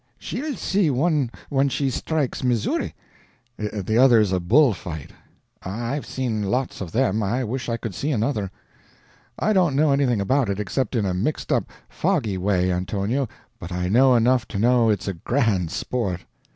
"She'll see one when she strikes Missouri." "The other's a bull fight." "I've seen lots of them; I wish I could see another." "I don't know anything about it, except in a mixed up, foggy way, Antonio, but I know enough to know it's grand sport."